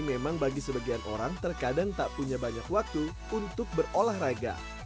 memang bagi sebagian orang terkadang tak punya banyak waktu untuk berolahraga